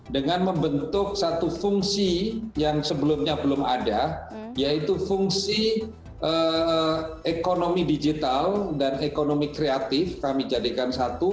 dengan membentuk satu fungsi yang sebelumnya belum ada yaitu fungsi ekonomi digital dan ekonomi kreatif kami jadikan satu